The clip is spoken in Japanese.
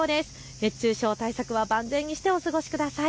熱中症対策は万全にしてお過ごしください。